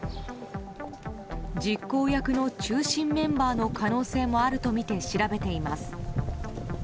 実行役の中心メンバーの可能性もあるとみて調べています。